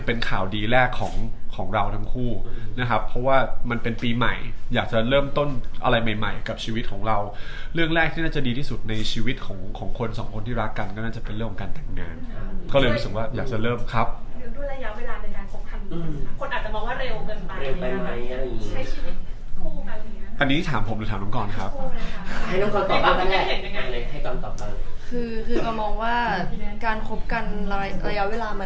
เป็นข่าวดีแรกของเราทั้งคู่นะครับเพราะว่ามันเป็นปีใหม่อยากจะเริ่มต้นอะไรใหม่กับชีวิตของเราเรื่องแรกที่น่าจะดีที่สุดในชีวิตของคนสองคนที่รักกันก็น่าจะเป็นเรื่องการแต่งงานก็เลยรู้สึกว่าอยากจะเริ่มครับอันนี้ถามผมหรือถามน้องกรครับ